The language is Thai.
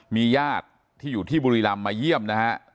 มีญาติที่อยู่ที่บุรีรำมาเยี่ยมนะฮะ